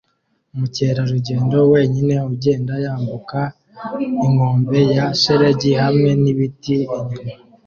umukerarugendo wenyine ugenda yambuka inkombe ya shelegi hamwe nibiti inyuma